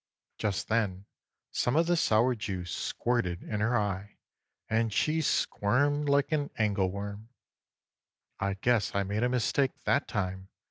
Just then some of the sour juice squirted in her eye and she squirmed like an angle worm. "I guess I made a mistake that time!"